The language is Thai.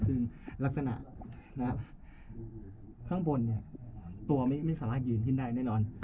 ซึ่งลักษณะนะครับข้างบนเนี้ยตัวไม่สามารถยืนที่นั่นได้แน่นอน